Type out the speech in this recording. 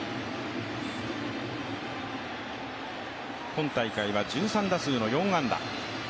今大会は１３打数４安打。